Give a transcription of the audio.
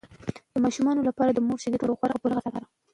د ماشومانو لپاره د مور شیدې تر ټولو غوره او پوره غذا ده.